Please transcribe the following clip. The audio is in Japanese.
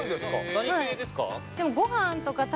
何系ですか？